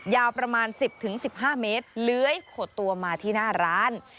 ยาวประมาณ๑๐๑๕เมตรเลื้อยขดตัวมาที่หน้าร้าน